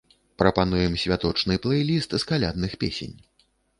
Прапануем святочны плэй-ліст з калядных песень.